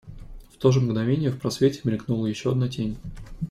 В то же мгновение в просвете мелькнула еще одна тень.